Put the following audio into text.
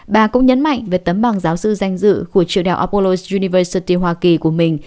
bà cũng nhấn mạnh về tấm bằng giáo sư danh dự của triệu đạo apollos university hoa kỳ của mình